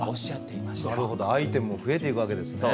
いろいろなアイテムも増えていくわけですね。